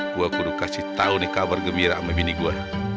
gue aku udah kasih tau nih kabar gembira sama bini gue